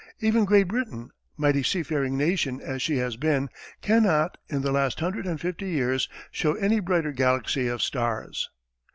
Even Great Britain, mighty seafaring nation as she has been, cannot, in the last hundred and fifty years, show any brighter galaxy of stars.